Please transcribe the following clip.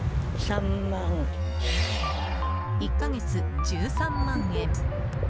１か月１３万円。